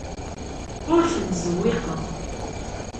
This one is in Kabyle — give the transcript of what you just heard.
Ur ten-ttzewwiqeɣ.